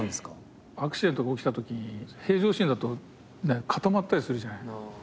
アクシデントが起きたときに平常心だと固まったりするじゃない。